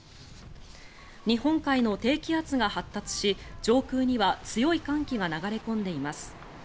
日本海の低気圧が発達し上空には強い寒気が流れ込んでいます。